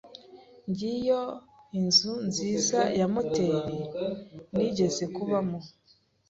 Ngiyo inzu nziza ya moteri nigeze kubamo.